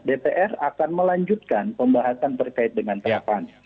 dpr akan melanjutkan pembahasan terkait dengan tahapan